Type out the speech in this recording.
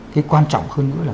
thì quan trọng hơn nữa là